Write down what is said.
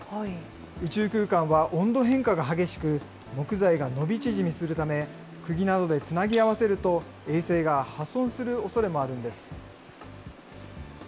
宇宙空間は温度変化が激しく、木材が伸び縮みするため、くぎなどでつなぎ合わせると、衛星が破損するおそれもあるんです。